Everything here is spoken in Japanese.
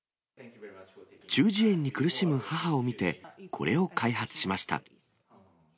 中耳炎に苦しむ母を見て、これを開発しました。